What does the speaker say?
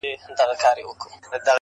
او اميدواره کيږي ژر،